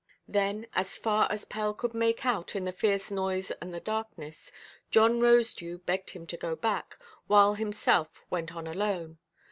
Then, as far as Pell could make out in the fierce noise and the darkness, John Rosedew begged him to go back, while himself went on alone.